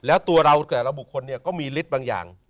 แล้วตัวเราแต่ละบุคคลเนี่ยก็มีฤทธิ์บางอย่าง